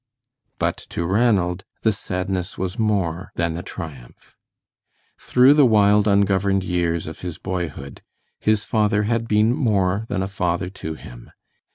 But to Ranald the sadness was more than the triumph. Through the wild, ungoverned years of his boyhood his father had been more than a father to him.